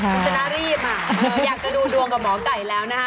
คุณชนะรีบอยากจะดูดวงกับหมอไก่แล้วนะคะ